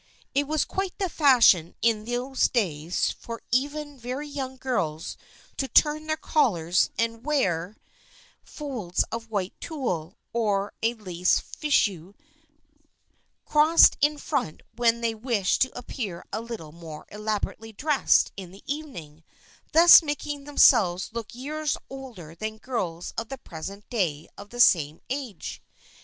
" It was quite the fashion in those days for even very young girls to turn in their collars and wear THE FKIENDSHIP OF ANNE 147 folds of white tulle, or a lace fichu crossed in front when they wished to appear a little more elab orately dressed in the evening, thus making them selves look years older than girls of the present day of the same age.